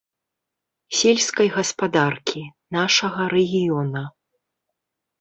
Сельскай гаспадаркі, нашага рэгіёна.